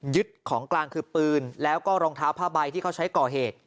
ของกลางคือปืนแล้วก็รองเท้าผ้าใบที่เขาใช้ก่อเหตุ